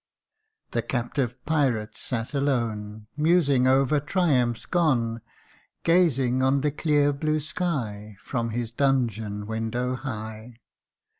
THE captive pirate sate alone, Musing over triumphs gone, Gazing on the clear blue sky From his dungeon window high.